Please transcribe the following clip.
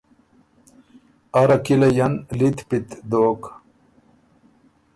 اره کِلئ ان لِت پِت دوک۔